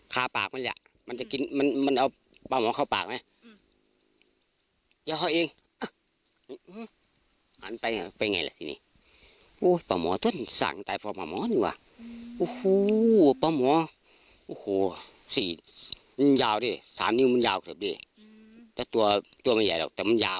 เก็บถุงกลายไปข้ามืออยู่อีกตัวใหญ่